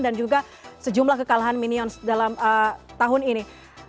dan juga sejumlah kekalahan minions dalam tahun ini